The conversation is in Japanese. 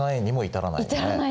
至らないですね！